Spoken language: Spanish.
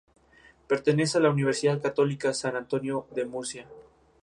Pertenece a la Universidad Católica San Antonio de Murcia.